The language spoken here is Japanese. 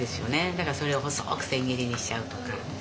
だからそれを細く千切りにしちゃうとか。